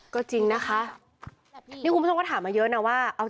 ก็จริงนะคะ